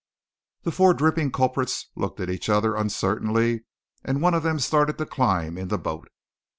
The four dripping culprits looked at each other uncertainly, and one of them started to climb in the boat.